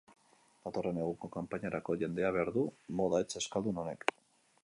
Datorren neguko kanpainarako jendea behar du moda etxe euskaldun honek.